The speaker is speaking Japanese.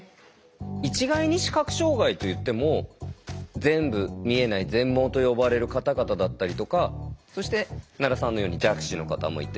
一概に視覚障害といっても全部見えない「全盲」と呼ばれる方々だったりとかそして奈良さんのように弱視の方もいて。